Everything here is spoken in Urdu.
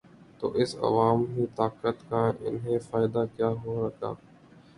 تو اس عوامی طاقت کا انہیں فائدہ کیا ہو گا؟